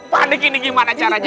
panik ini gimana caranya